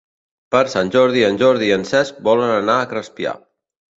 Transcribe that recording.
Per Sant Jordi en Jordi i en Cesc volen anar a Crespià.